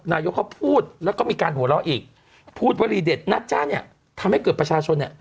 นายกเขาพูดแล้วก็มีการหัวเราะอีกพูดวลีเด็ดนะจ๊ะเนี่ยทำให้เกิดประชาชนเนี่ย